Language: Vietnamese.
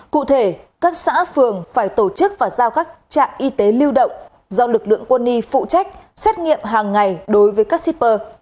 cụ thể các xã phường phải tổ chức và giao các trạm y tế lưu động do lực lượng quân y phụ trách xét nghiệm hàng ngày đối với các shipper